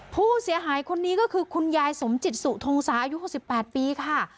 ผู้เสียหายคนนี้ก็คือคุณยายสมจิตสุทงศาอายุ๖๘ปีค่ะ